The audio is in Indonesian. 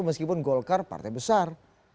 meskipun golkar partai besar